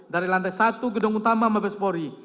dari lantai satu gedung utama mabespori